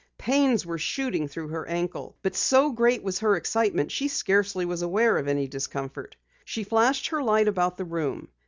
Pains were shooting through her ankle, but so great was her excitement she scarcely was aware of any discomfort. She flashed her light about the room.